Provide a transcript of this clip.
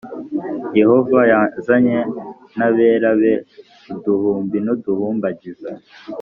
Yehova yazanye n abera be uduhumbi n uduhumbagiza